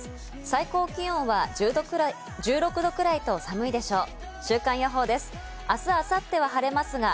最高気温は１６度くらいと寒いでしょう。